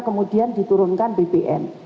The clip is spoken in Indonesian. kemudian diturunkan bpm